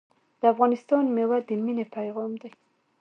د افغانستان میوه د مینې پیغام دی.